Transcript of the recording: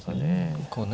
こうね。